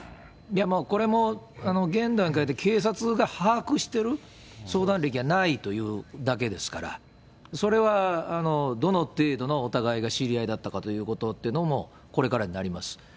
もう、現段階で警察が把握している相談歴はないというだけですから、それは、どの程度のお互いが知り合いだったかというのも、これからになります。